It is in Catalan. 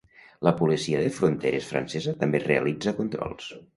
La policia de fronteres francesa també realitza controls.